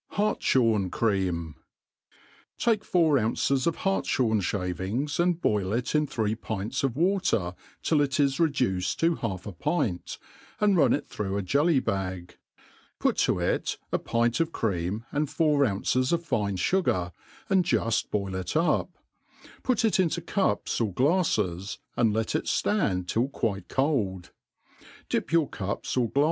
Harljhorri' Cream* TAKE four ounces of hartfhorn fiiavings, and boil it m three pints of water till it is reduced to half a pint^ and run^ it through a jelly^bag ; put to it a pint of cream and four eunces of fine fugar, and jufl boil it up i put it ioto cups op glaiTes, and let it ftand till quite cold^ Dip your cups or glp.